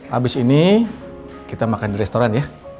habis ini kita makan di restoran ya